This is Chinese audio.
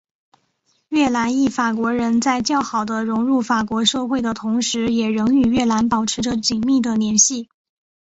越南裔法国人在较好的融入法国社会的同时也仍与越南保持着紧密的联系。